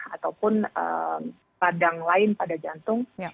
ataupun radang lain pada jantung